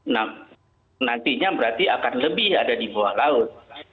nah nantinya berarti akan lebih ada di bawah laut